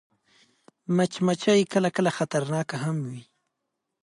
مچمچۍ کله کله خطرناکه هم وي